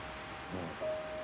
うん。